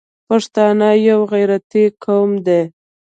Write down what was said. پښتانه یو غیرتي قوم دی.